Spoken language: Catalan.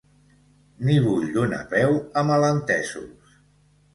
Ni vull donar peu a malentesos.